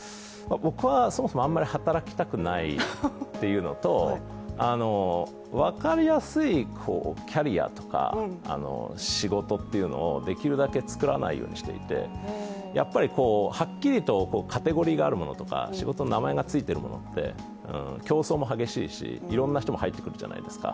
僕はそもそもあまり働きたくないというのと、分かりやすいキャリアとか仕事というのを、できるだけ作らないようにしていて、はっきりとカテゴリーがあるものとか仕事の名前があるものって、競争も激しいし、いろんな人も入ってくるじゃないですか。